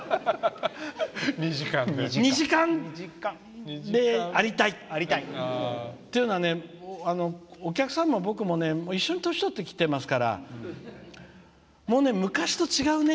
２時間でありたい！というのは、お客さんも僕も一緒に年とってきてますからもうね、昔と違うね。